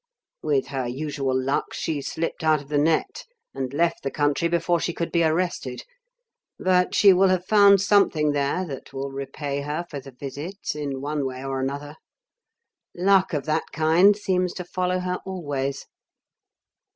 With her usual luck she slipped out of the net and left the country before she could be arrested. But she will have found something there that will repay her for the visit in one way or another. Luck of that kind seems to follow her always."